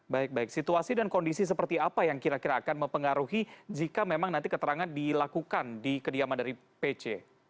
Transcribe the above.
baik baik situasi dan kondisi seperti apa yang kira kira akan mempengaruhi jika memang nanti keterangan dilakukan di kediaman dari pc